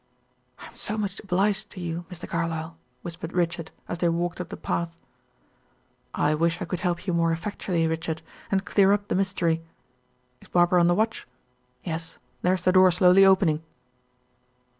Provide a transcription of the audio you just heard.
"I am so much obliged to you Mr. Carlyle," whispered Richard, as they walked up the path. "I wish I could help you more effectually, Richard, and clear up the mystery. Is Barbara on the watch? Yes; there's the door slowly opening."